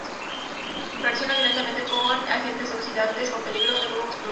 Reacciona violentamente con agentes oxidantes, con peligro de fuego o explosión.